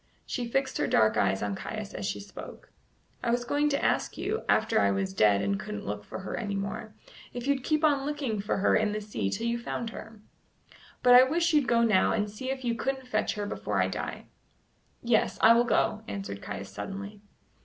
She fixed her dark eyes on Caius as she spoke. "I was going to ask you, after I was dead and couldn't look for her any more, if you'd keep on looking for her in the sea till you found her. But I wish you'd go now and see if you couldn't fetch her before I die." "Yes, I will go," answered Caius suddenly.